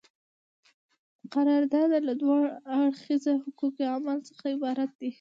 قرارداد له دوه اړخیزه حقوقي عمل څخه عبارت دی.